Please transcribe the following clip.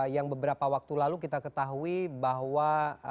yang beberapa waktu lalu kita ketahui bahwa